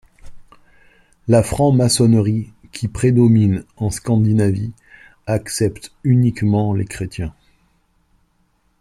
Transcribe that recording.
La franc-maçonnerie qui prédomine en Scandinavie accepte uniquement les chrétiens.